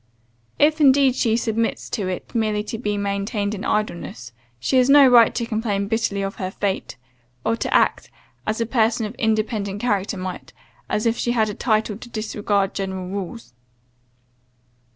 If indeed she submits to it merely to be maintained in idleness, she has no right to complain bitterly of her fate; or to act, as a person of independent character might, as if she had a title to disregard general rules.